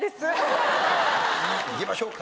いきましょうか。